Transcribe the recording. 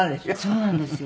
そうなんですよ。